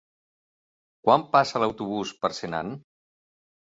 Quan passa l'autobús per Senan?